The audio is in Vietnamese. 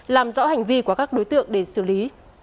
làm rõ hành vi của các đối tượng để xử lý